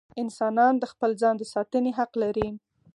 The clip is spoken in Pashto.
انسانان د خپل ځان د ساتنې حق لري.